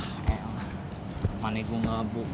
pake ini gue kabur